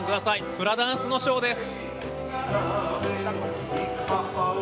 フラダンスのショーです！